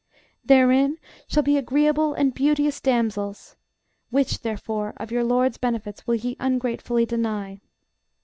Therein shall be agreeable and beauteous damsels: Which, therefore, of your LORD'S benefits will ye ungratefully deny?